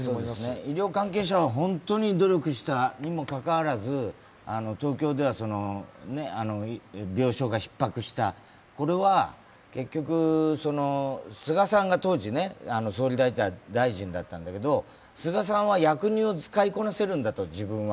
医療関係者は本当に努力したにもかかわらず東京では病床がひっ迫した、これは結局、菅さんが当時、総理大臣だったんだけど菅さんは役人を使いこなせるんだと、自分は。